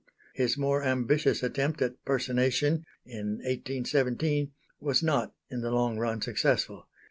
His more ambitious attempt at personation in 1817, was not in the long run successful.